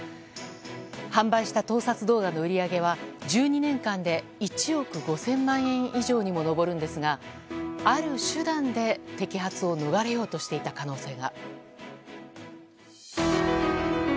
販売した盗撮動画の売り上げは１２年間で１億５０００万円以上にも上るんですがある手段で、摘発を逃れようとしていた可能性が。